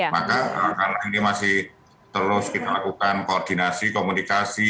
maka karena ini masih terus kita lakukan koordinasi komunikasi